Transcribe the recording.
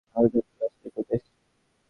হার্লোতে একটা লাশের রিপোর্ট এসেছে।